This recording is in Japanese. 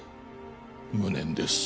無念です